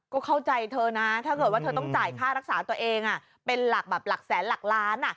ก็เข้าใจเธอนะถ้าเกิดว่าเธอต้องจ่ายค่ารักษาตัวเองเป็นหลักแบบหลักแสนหลักล้าน